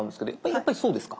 やっぱりそうですか？